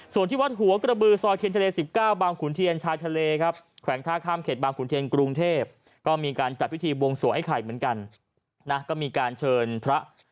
ส่วนที่วัดหัวกระบือซอยเคียนทะเล๑๙บางขุนเทียนชายทะเลครับฝุ่งแขวงท่าข้ามเขตบางขุนเทียนกรุงเทพ